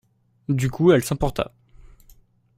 Du coup, elle s'emporta.